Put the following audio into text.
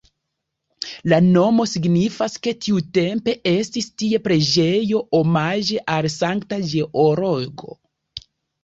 La nomo signifas, ke tiutempe estis tie preĝejo omaĝe al Sankta Georgo.